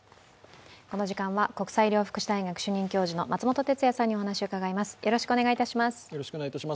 この時間は国際医療福祉大学主任教授の松本哲哉さんにお話を伺います。